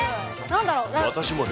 何だろう。